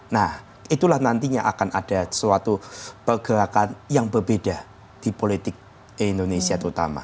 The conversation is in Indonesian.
nah itulah nantinya akan ada suatu pergerakan yang berbeda di politik indonesia terutama